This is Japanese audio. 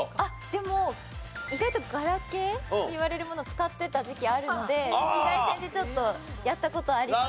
でも意外とガラケーって言われるもの使ってた時期あるので赤外線でちょっとやった事あります。